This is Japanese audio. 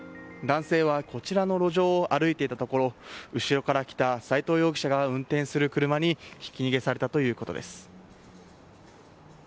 男性はこちらの路上を歩いていたところ後ろから来た斎藤容疑者が運転する車にひき逃げされたということです。